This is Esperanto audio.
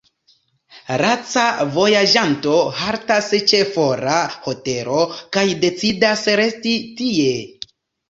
Laca vojaĝanto haltas ĉe fora hotelo kaj decidas resti tie.